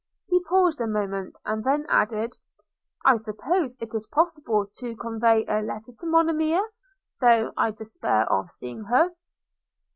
He paused a moment, and then added, 'I suppose it is possible to convey a letter to Monimia, though I despair of seeing her.'